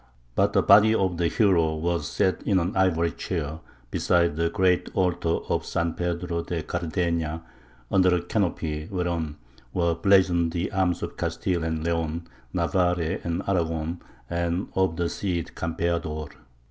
But the body of the hero was set in an ivory chair beside the great altar of San Pedro de Cardeña, under a canopy whereon were blazoned the arms of Castile and Leon, Navarre and Aragon, and of the Cid Campeador.